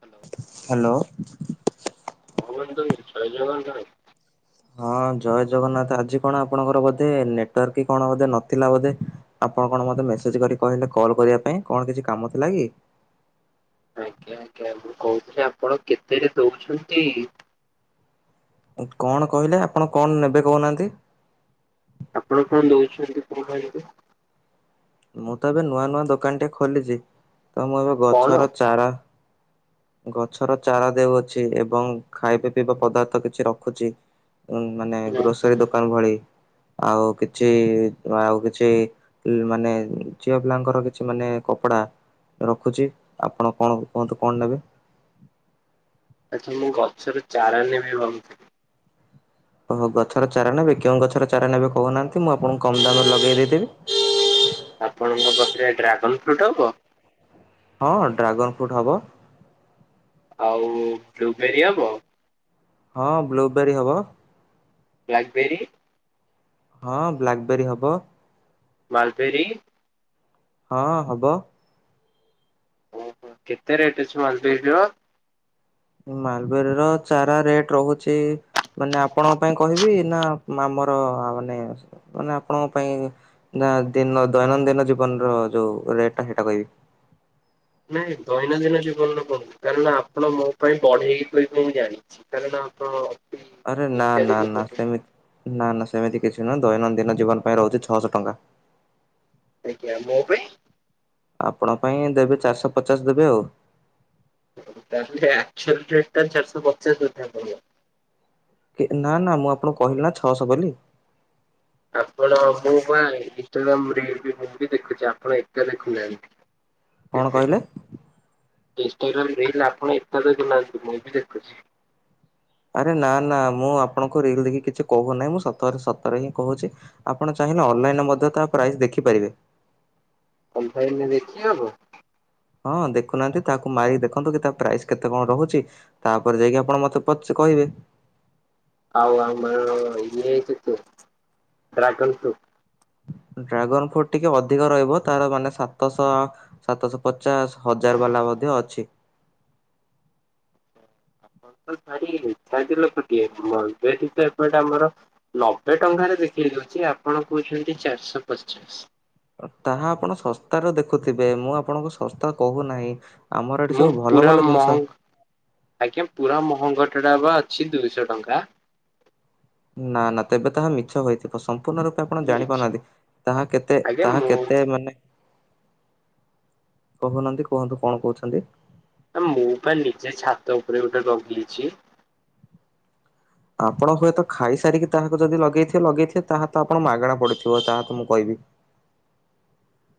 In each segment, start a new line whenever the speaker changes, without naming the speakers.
Hello.
Hello.
ହଁ [unintelligible] ଜୟ ଜଗନ୍ନାଥ।
ହଁ ଜୟ ଜଗନ୍ନାଥ ଆଜି କଣ ଆପଣଙ୍କର ବୋଧେ ନେଟୱାର୍କ୍ କି କଣ ବୋଧେ ନଥିଲା ବୋଧେ? ଆପଣ କଣ ମତେ ମେସେଜ୍ କରି କହିଲେ କଲ୍ କରିବା ପାଇଁ କଣ କିଛି କାମ ଥିଲା କି?
ଆଜ୍ଞା ଆଜ୍ଞା ମୁଁ କହୁଥିଲି ଆପଣ କେତେରେ ଦଉଚନ୍ତି?
କଣ କହିଲେ ଆପଣ କଣ ନେବେ କହୁନାହାନ୍ତି?
ଆପଣ କଣ ଦଉଚନ୍ତି କହୁନାହାନ୍ତି?
ମୁଁ ତ ଏବେ ନୂଆ ନୂଆ ଦୋକାନଟେ ଖୋଲିଚି ତ ମୁଁ ଏବେ
କଣ?
ଗଛର ଚାରା ଗଛର ଚାରା ଦେଉଅଛି ଏବଂ ଖାଇବା ପିଇବା ପଦାର୍ଥ କିଛି ରଖୁଚି। ଉଁ- ମାନେ
ନା
ଗ୍ରୋସରୀ ଦୋକାନ ଭଳି। ଆଉ କିଛି ଆଉ କିଛି ମାନେ ଝିଅ ପିଲାଙ୍କର କିଛି ମାନେ କପଡା ରଖୁଚି ଆପଣ କଣ କୁହନ୍ତୁ କଣ ନେବେ?
ଆଜି ମୁଁ ଗଛର ଚାରା ନେବି ଭାବୁଥିଲି।
ଓ ହ ଗଛର ଚାରା ନେବେ କେଉଁ ଗଛର ଚାରା ନେବେ କହୁନାହାନ୍ତି ମୁଁ ଆପଣଙ୍କୁ କମ୍ ଦାମ୍ ରେ ଲଗେଇ ଦେଇଥିବି।
ଆପଣଙ୍କ ପାଖେରେ ଡ୍ରାଗନ୍ ଫ୍ରୁଟ୍ ହବ?
ହଁ ଡ୍ରାଗନ୍ ଫ୍ରୁଟ୍ ହବ।
ଆଉ ବ୍ଲୁବେରି ହବ?
ହଁ ବ୍ଲୁବେରୀ ହବ।
Blackberry?
ହଁ ବ୍ଲାକ୍ ବେରୀ ହବ।
ମାଲ୍ପେରି?
ହଁ ହବ।
ଓହୋ କେତେ ରେଟ୍ ଅଛି ମାଲବେରୀ ର?
ମାଲବେରୀ ର ଚାରା ରେଟ୍ ରହୁଚି ମାନେ ଆପଣଙ୍କ ପାଇଁ କହିବି ନା ଆମର ମାନେ- ମାନେ ଆପଣଙ୍କ ପାଇଁ ନା ଦିନ- ଦୈନନ୍ଦିନ ଜୀବନ ର ଯଉ ରେଟ୍ ଟା ହେଇଟା କହିବି।
ନାଇଁ ଦୈନନ୍ଦିନ ଜୀବନରେ କୁହନି କାରଣ ଆପଣ ମୋ ପାଇଁ ବଢେଇକି କହିବେ ମୁଁ ଜାଣି [unintelligible]
ଆରେ ନା- ନା- ନା ସେମିତି- ନା -ନା ସେମିତି କିଛି ନୁହଁ ଦୈନନ୍ଦିନ ଜୀବନ ପାଇଁ ରହୁଚି ଛଅଶ ଟଙ୍କା।
ଆଜ୍ଞା ମୋ ପାଇଁ?
ଆପଣ ପାଇଁ ଦେବେ ଚାରିଶ ପଚାଶ୍ ଦେବେ ଆଉ।
ତାଲେ ଆଚୁରେଟ ଟା ଚାରିଶହ ପଚାଶ ବଧେ ପଡିବ?
ନା ନା ମୁଁ ଆପଣଙ୍କୁ କହିଲି ନା ଛଅଶହ ବୋଲି।
ଆପଣ ମୁଁ ବା ଇନଷ୍ଟାଗ୍ରାମ ରିଲ ବି ମୁଭି ଦେଖୁଛି ଆପଣ ଏକା ଦେଖୁନାହାନ୍ତି।
କଣ
ସେ
କହିଲେ?
ଇନଷ୍ଟାଗ୍ରାମ ରିଲ ଆପଣ ଏକା ଦେଖୁନାହାନ୍ତି ମୁଁ ବି ଦେଖୁଛି।
ଆରେ ନା ନା ମୁଁ ଆପଣଙ୍କୁ ରିଲ ଦେଖୀ କିଛି କହୁନାହିଁ ମୁଁ ସତ ସତରେ ହିଁ କହୁଛି। ଆପଣ ଚାହିଁଲେ ଅନଲାଇନରେ ମଧ୍ୟ ତା ପ୍ରାଇସ୍ ଦେଖିପାରିବେ।
ଅଫଲାଇନରେ ଦେଖି ହବ?
ହଁ ଦେଖୁନାହାନ୍ତି ତାହାକୁ ମାରିକି ଦେଖନ୍ତୁ କି ତା ପ୍ରାଇସ କେତେ କଣ ରହୁଛି। ତାପରେ ଯାଇକି ଆପଣ ମତେ ପଚ କହିବେ।
ଆଉ ଆଙ୍ଗ ଇଛିୁ ଡ୍ରାଗନ୍ ଫ୍ରୁଟ
ଡ୍ରାଗନ ଫ୍ରୁଟ ଟିକେ ଅଧିକ ରହିବ ତାର ମାନେ ସାତଶହ ସାତଶହ ପଚାଶ ହଜାର ବାଲା ମଧ୍ୟ ଅଛି।
ଛା ଛାଲେ [unintelligible] ଯେହେତୁ ସେ ଏପଟେ ଆମର ଲବେ ଟଙ୍କାରେ ବିକିରି ହଉଛି ଆପଣ କହୁଛନ୍ତି ଚାରିଶହ ପଚାଶ।
ତାହା ଆପଣ ଶସ୍ତାରେ ଦେଖୁଥିବେ ମୁଁ ଆପଣଙ୍କୁ ଶସ୍ତା କହୁନାହିଁ। ଆମର ଏଠି
ମୁଁ
ସବୁ ଭଲ
ପୁରା
ଭଲ
ମହ
ଜିନିଷ।
ଆଜ୍ଞା ପୁରା ମହଙ୍ଗଟା ଟା ବା ଅଛି ଦୁଇଶହ ଟଙ୍କା।
ନା ନା ତେବେ ତାହା ମିଛ ହୋଇଥିବ ସମ୍ପୂର୍ଣ ରୂପେ ତ ଆପଣ ଜାଣି ପାରୁନାହାନ୍ତି ତାହା କେତେ
ଆଜ୍ଞା
ତାହା
ମୁଁ
କେତେ ମାନେ କହୁନାହାନ୍ତି କୁହନ୍ତୁ କଣ କହୁଛନ୍ତି?
ଆ ମୁଁ ବା ନିଜେ ଛାତ ଉପରେ ଗୋଟେ ଲଗେଇଛି।
ଆପଣ ହୁଏତ ଖାଇସାରିକି ତାହାକୁ ଯଦି ଲଗେଇଥିବ ଲଗେଇଥିବେ ତାହା ତ ଆପଣ ମାଗଣା ପଡିଥିବ ତାହା ତ ମୁଁ କହିବି।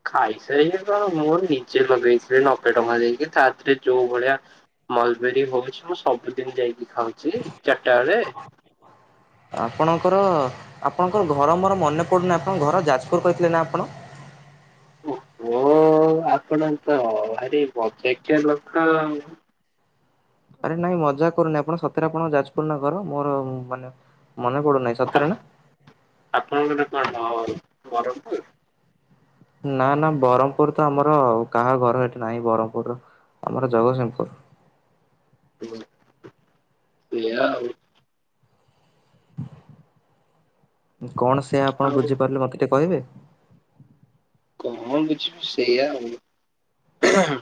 ଖାଇସାରିକି କଣ ମୋର ନିଜେ ଲଗେଇଥିଲି ନବେ ଟଙ୍କା ଦେଇକି ତାଥେରେ ଯୋଉ ଭଳିଆ ମଲବେରୀ ହଉଛି ମୁଁ ସବୁଦିନ ଯାଇକି ଖାଉଛି ଚାରିଟା ବେଳେ।
[unintelligible] ଆପଣଙ୍କର ଆପଣଙ୍କର ଘର ମୋର ମନେ ପଡ଼ୁନାହିଁ ଆପଣଙ୍କ ଘର ଯାଜପୁର କହିଥିଲେ ନା ଆପଣ?
ଓହ ଆପଣ ତ ଭାରି ମଜାକିଆ ଲୋକ ଆଉ।
ଆରେ ନାଇଁ ମଜାକ କରୁନି ଆପଣ ସତରେ ଆପଣ ଯାଜପୁର ନା ଘର ମୋର ମାନେ ମନେ ପଡୁନାହିଁ ସତରେ ନା?
ଆପଣଙ୍କର କଣ ବରମପୁର?
ନା ନା ବରମପୁର ତ ଆମର କାହା ଘର ଏଠି ନାହିଁ ବରମପୁର ର ଆମର ଜଗତସିଂହପୁର।
ହ ସେଇୟା ଆଉ।
କଣ ସେଇୟା ଆପଣ
ଆଉ
ବୁଝିପାରିଲେ ମୋତେ ଟିକେ କହିବେ?
କଣ ବୁଝିବି ସେଇଆ ଆଉ।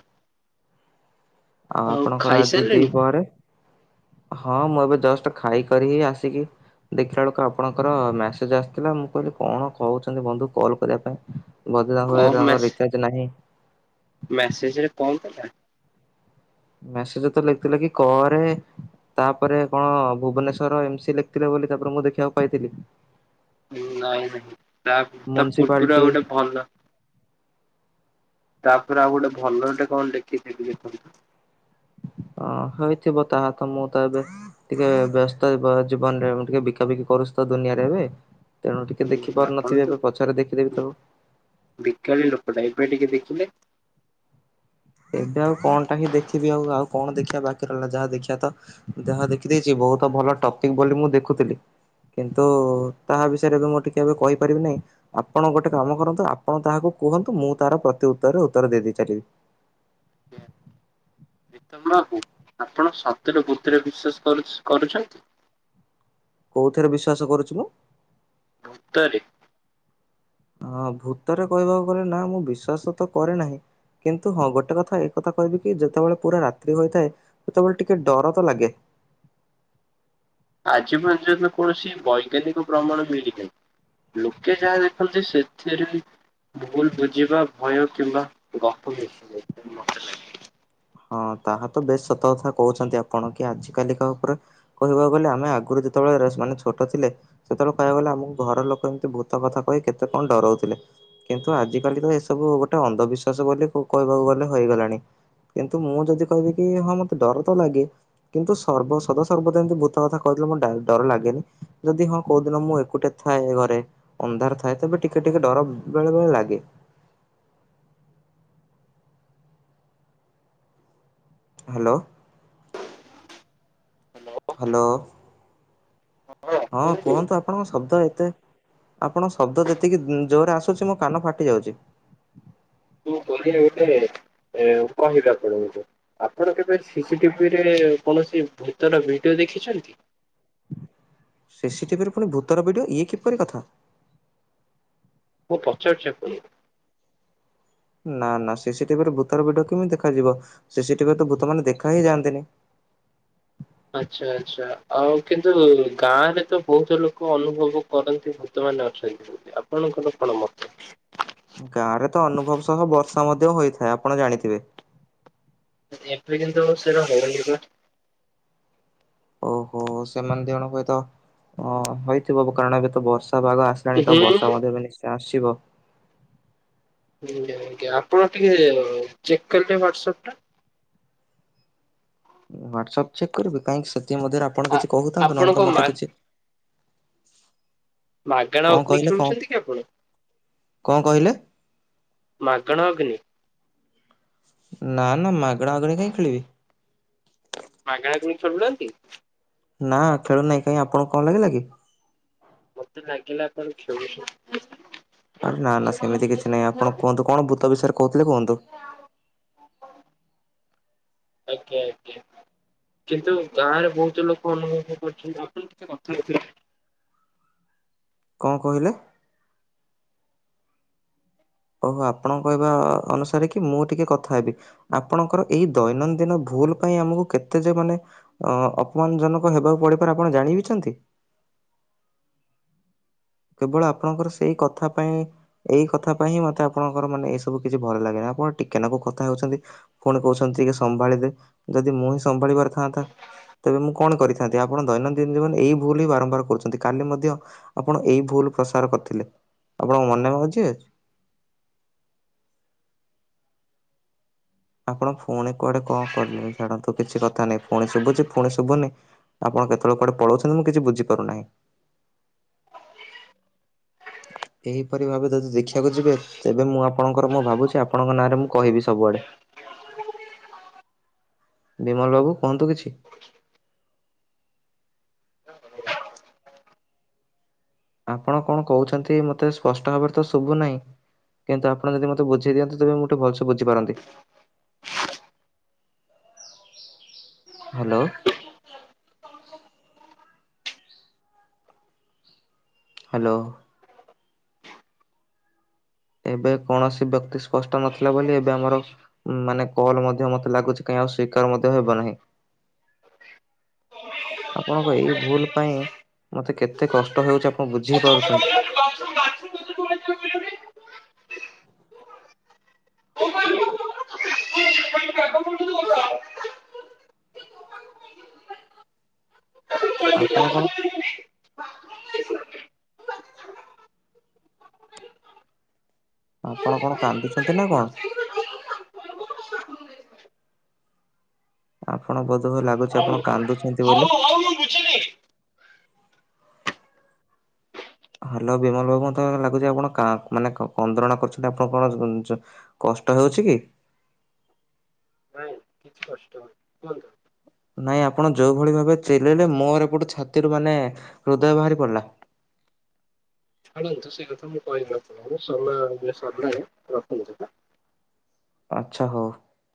ଆଉ ଆପଣଙ୍କର ଆଜି ଦିପହରେ? ହଁ ମୁଁ ଏବେ ଜଷ୍ଟ ଖାଇକରି ହି ଆସିକି ଦେଖିଲା ବେଳକୁ ଆପଣଙ୍କର ମେସେଜ ଆସିଥିଲା ମୁଁ କହିଲି କଣ କହୁଛନ୍ତି ବନ୍ଧୁ କଲ କରିବା ପାଇଁ। ବଦିଲ
କଣ
ହୁଏ ତାଙ୍କ ରିଚାର୍ଜ ନାହିଁ।
ମେସେଜ ରେ କଣଥିଲା?
ମେସେଜ ତ ଲେଖିଥିଲେ କି କରେ। ତାପରେ କଣ ଭୁବନେଶ୍ଵର ଏମସି ଲେଖିଥିଲେ ବୋଲି ତାପରେ ମୁଁ ଦେଖିବାକୁ ପାଇଥିଲି।
ନାଇଁ ନାଇଁ ତା ତା ପୂରୁବୁରୁ
ମ୍ୟୁନିସିପାଲିଟି
ଆଉ ଗୋଟେ ଭଲ ତାପରେ ଆଉ ଗୋଟେ ଭଲ ଗୋଟେ କଣ ଲେଖି ଥେବି ଦେଖନ୍ତୁ।
ହଁ ହେଇଥିବ ତାହା ତ ମୁଁ ତ ଏବେ ଟିକେ ବ୍ୟସ୍ତ ଜୀବନରେ ମୁଁ ଟିକେ ବିକାବିକି କରୁଛି ତ ଦୁନିଆରେ ଏବେ। ତେଣୁ ଟିକେ
ଉଁ
ଦେଖି
ଆପଣ
ପାରୁନଥିବି ଏବେ ପଛରେ ଦେଖିଦେବି ତାକୁ।
ବେକାରୀ ଲୋକଟା ଏବେ ଟିକେ ଦେଖିଲେ।
ଏବେ ଆଉ କଣଟା ହିଁ ଦେଖିବି ଆଉ ଆଉ କଣ ଦେଖିବା ବାକି ରହିଲା ଯାହା ଦେଖିବା ତ ଦେହ ଦେଖିଦେଇଛି ବହୁତ ଭଲ ଟପିକ ବୋଲି ମୁଁ ଦେଖୁଥିଲି। କିନ୍ତୁ ତାହା ବିଷୟରେ ଏବେ ମୁଁ ଟିକେ ଏବେ କହିପାରିବି ନାହିଁ। ଆପଣ ଗୋଟେ କାମ କରନ୍ତୁ ଆପଣ ତାହାକୁ କୁହନ୍ତୁ ମୁଁ ତାର ପ୍ରତି ଉତ୍ତରରେ ଉତ୍ତର ଦେଇ ଦେଇ ଚାଲିବି।
ପ୍ରୀତମ [unintelligible] ବାବୁ ଆପଣ ସତରେ ଭୂତରେ ବିଶ୍ଵାସ କରୁସ କରୁଛନ୍ତି!
କୋଉଥିରେ ବିଶ୍ଵାସ କରୁଛି ମୁଁ?
ଭୂତରେ।
ହଁ ଭୂତରେ କହିବାକୁ ଗଲେ ନା ମୁଁ ବିଶ୍ଵାସ ତ କରେ ନାହିଁ। କିନ୍ତୁ ହଁ ଗୋଟେ କଥା ଏକଥା କହିବି କି ଯେତେବେଳେ ପୁରା ରାତ୍ରି ହୋଇଥାଏ ସେତେବେଳେ ଟିକେ ଡର ତ ଲାଗେ।
ଆଜି ପର୍ଯ୍ୟନ୍ତ କୌଣସି ବୈଜ୍ଞାନିକ ପ୍ରମାଣ ମିଳି ନାହିଁ। ଲୋକେ ଯାହା ଦେଖନ୍ତି ସେଥିରେ ଭୁଲ ବୁଝିବା ଭୟ କିମ୍ବା ଗପ ମିଶିଥାଏ।
ହଁ ତାହା ତ ବେଶ ସତ କଥା କହୁଛନ୍ତି ଆପଣ କି ଆଜି କାଲିକା ଉପରେ କହିବାକୁ ଗଲେ ଆମେ ଆଗୁରୁ ଯେତେବେଳେ ରେସ ମାନେ ଛୋଟ ଥିଲେ ସେତେବେଳେ କହିବାକୁ ଗଲେ ଆମକୁ ଘର ଲୋକ ଏମିତି ଭୂତ କଥା କହି କେତେ କଣ ଡରଉଥିଲେ। କିନ୍ତୁ ଆଜିକାଲି ତ ଏସବୁ ଗୋଟେ ଅନ୍ଧବିଶ୍ୱାସ ବୋଲି କୁ କହିବାକୁ ଗଲେ ହୋଇଗଲାଣି। କିନ୍ତୁ ମୁଁ ଯଦି କହିବି କି ହଁ ମତେ ଡର ତ ଲାଗେ କିନ୍ତୁ ସର୍ବ ସଦା ସର୍ବଦା ଏମିତି ଭୂତ କଥା କହିଦେଲେ ମୋର ଡାର ଡର ଲାଗେନି। ଯଦି ହଁ କୋଉ ଦିନ ମୁଁ ଏକୁଟେ ଥାଏ ଘରେ ଅନ୍ଧାର ଥାଏ ତେବେ ଟିକେ ଟିକେ ଡର ବେଳେବେଳେ ଲାଗେ। ହ୍ୟାଲୋ। ହ୍ୟାଲୋ। ହଁ କୁହନ୍ତୁ ଆପଣଙ୍କ ଶବ୍ଦ ଏତେ ଆପଣ ଶବ୍ଦ ଯେତିକି ଜୋରରେ ଆସୁଛି ମୋ କାନ ଫାଟି ଯାଉଛି।
ତୁ [unintelligible] ଗୋଟେ କଣ [unintelligible] ଆପଣଙ୍କୁ? ଆପଣ କେବେ ସିସିଟିଭିରେ କୌଣସି ଭୂତର ଭିଡିଓ ଦେଖିଛନ୍ତି?
ସିସିଟିଭିରେ ପୁଣି ଭୂତର ଭିଡିଓ ଇଏ କିପରି କଥା?
ମୁଁ ପଚାରୁଛି ଆପଣକୁ?
ନା ନା ସିସି ଟିଭିରେ ଭୂତର ଭିଡିଓ କେମିତି ଦେଖାଯିବ ସିସି ଟିଭିରେ ତ ଭୂତମାନେ ଦେଖା ହିଁ ଯାଆନ୍ତିନି।
ଆଚ୍ଛା ଆଚ୍ଛା ଆଉ କିନ୍ତୁ ଗାଁରେ ତ ବହୁତ ଲୋକ ଅନୁଭବ କରନ୍ତି ଭୂତମାନେ ଅଛନ୍ତି। ଆପଣଙ୍କର କଣ ମତ?
ଗାଁ ରେ ତ ଅନୁଭବ ସହ ବର୍ଷା ମଧ୍ୟ ହୋଇଥାଏ ଆପଣ ଜାଣିଥିବେ।
ଏବେ କିନ୍ତୁ ସେଉରା ହଉନିପା।
ଓହୋ ସେମାନେ ଦି ଜଣ ହୁଏତ ଅ ହୋଇଥିବ ବ କାରଣ ଏବେ ତ ବର୍ଷା ପାଗ ଆସ ଲାଣି
ହୁଁ
ତ ବର୍ଷା ମଧ୍ୟ ଏବେ ନିଶ୍ଚୟ ଆସିବ।
ଆପଣ ଟିକେ ଚେକ୍ କଲେ ହ୍ୱାଟସଅପ୍ ଟା।
ହ୍ୱାଟସଅପ୍ ଚେକ୍ କରିବି କାହିଁକି ସେଥିମଧ୍ୟରେ ଆପଣ
ଆ
କିଛି କହୁଥାନ୍ତୁ
ଆପଣ
ନହେଲେ ତ
କଣ ମା
ମତେ କିଛି
ମାଗଣା
କଣ
ଅଗ୍ନି
କହିଲେ କଣ
ଖେଳୁଛନ୍ତି କି ଆପଣ?
କଣ କହିଲେ
ମାଗଣା ଅଗ୍ନି
ନା ନା ମାଗେଣା ଅଗଣି କାଇଁ ଖେଳିବି।
ମାଗେଣା କୁୁଣି ଖେଳୁନାହାଁନ୍ତି?
ନା ଖେଳୁନାହିଁ କାଇଁ ଆପଣଙ୍କୁ କଣ ଲାଗିଲା କି?
ମତେ ଲାଗିଲା ଆପଣ ଖେଳୁ [unintelligible]
ଆରେ ନା ନା ସେମିତି କିଛି ନାହିଁ ଆପଣ କୁହନ୍ତୁ କଣ ଭୂତ ବିଷୟରେ କହୁଥିଲେ କୁହନ୍ତୁ।
ଏକେ ଏକେ। କିନ୍ତୁ ଗାଁରେ ବହୁତ ଲୋକ ଅନୁଭବ କରୁଛନ୍ତି ଆପଣ ଟିକେ କଥା ହେବେ।
କଣ କହିଲେ? ଓ ହୋ ଆପଣଙ୍କ କହିବା ଅନୁସାରେ କି ମୁଁ ଟିକେ କଥା ହେବି। ଆପଣଙ୍କର ଏଇ ଦୈନନ୍ଦିନ ଭୁଲ ପାଇଁ ଆମୁକୁ କେତେ ଯେ ମାନେ ଅଁ ଅପମାନଜନକ ହେବାକୁ ପଡିପାରେ ଆପଣ ଜାଣି ବିି ଛନ୍ତି? କେବଳ ଆପଣଙ୍କର ସେଇ କଥା ପାଇଁ ଏଇ କଥା ପାଇଁ ହିଁ ମତେ ଆପଣଙ୍କର ମାନେ ଏ ସବୁ କିଛି ଭଲ ଲାଗେନି ଆପଣ ଟିକେ ନାକୁ କଥା ହେଉଛନ୍ତି ଫୁଣି କହୁଛନ୍ତି ଟିକେ ସମ୍ଭାଳି ଦେ ଯଦି ମୁଁ ହିଁ ସମ୍ଭାଳିିବାର ଥାନ୍ତା ତେବେ ମୁଁ କଣ କରିଥାନ୍ତି ଆପଣ ଦୈନନ୍ଦିନ ଜୀବନ ଏଇ ଭୁଲ ହିଁ ବାରମ୍ବାର କରୁଛନ୍ତି କାଲି ମଧ୍ୟ ଆପଣ ଏଇ ଭୁଲ ପ୍ରସାର କରିଥିଲେ ଆପଣଙ୍କ ମନେ। [unintelligible] ଆପଣ ଫୁଣି କୁଆଡେ କଣ କଲେ ଛାଡନ୍ତୁ କିଛି କଥା ନାଇଁ ଫୁଣି ଶୁଭୁଚି ଫୁଣି ଶୁଭୁନି। ଆପଣ କେତବଳେ କୁଆଡେ ପଳଉଛନ୍ତି ମୁଁ କିଛି ବୁଝିପାରୁନାହିଁ। ଏହିପରି ଭାବେ ଯଦି ଦେଖିଆକୁ ଯିବେ ତେବେ ମୁଁ ଆପଣଙ୍କର ମୁଁ ଭାବୁଛି ଆପଣଙ୍କ ନାଁରେ ମୁଁ କହିବି ସବୁଆଡେ। ବିମଲ ବାବୁ କୁହନ୍ତୁ କିଛି। ଆପଣ କଣ କହୁଛନ୍ତି ମତେ ସ୍ପଷ୍ଟ ଭାବରେ ତ ଶୁଭୁ ନାହିଁ। କିନ୍ତ ଆପଣ ଯଦି ମତେ ବୁଝେଇ ଦିଅନ୍ତି ତେବେ ମୁଁ ଟିକେ ଭଲସେ ବୁଝିପାରନ୍ତି। ହାଲୋ। ହାଲୋ। ଏବେ କୌଣସି ବ୍ୟକ୍ତି ସ୍ପଷ୍ଟ ନଥିଲା ବୋଲି ଏବେ ଆମର ମାନେ କଲ୍ ମଧ୍ୟ ମତେ ଲାଗୁଛି କାହିଁ ଆଉ ସ୍ଵିକାର ମଧ୍ୟ ହେବ ନାହିଁ। ଆପଣଙ୍କ ଏଇ ଭୁଲ ପାଇଁ
ହେଇଥିଲେ।
ମତେ କେତେ କଷ୍ଟ ହେଉଚି ଆପଣ
ହଉ
ବୁଝିହିପାରୁଛନ୍ତି?
[inaudible] ହଉ
ଆପଣ କଣ ଆପଣ କଣ କାନ୍ଦୁଛନ୍ତି ନା କଣ? ଆପଣ ବୋଧହୁଏ ଲାଗୁଛି ଆପଣ କାନ୍ଦୁଛନ୍ତି ବୋଲି।
ହଉ ମୁଁ ବୁଝିଲି।
ହାଲୋ ବିମଲ ବାବୁ ମତେ ଲାଗୁଚି ଆପଣ କାଁ ମାନେ କ କନ୍ଦ୍ରଣା କରୁଛନ୍ତି ଆପଣ କଣ ଜ କଷ୍ଟ ହେଉଛି କି?
ନାଇଁ କିଛି କଷ୍ଟ ହଉନି। କୁହନ୍ତୁ।
ନାଇଁ ଆପଣ ଯୋଉଭଳି ଭାବେ ଚିଲେଇଲେ ମୋର ଏପଟୁ ଛାତିରୁ ମାନେ ହୃଦୟ ବାହାରି ପଡିଲା।
ଛାଡନ୍ତୁ ସେ କଥା ମୁଁ କହିବି ଆପଣଙ୍କୁ ସମୟ [unintelligible] ରଖନ୍ତୁ।
ଆଚ୍ଛା ହଉ।